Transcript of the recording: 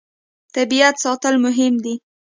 طبیعت ساتل مهم دي.